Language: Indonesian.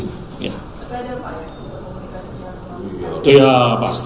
apakah ada komunikasinya sama bapak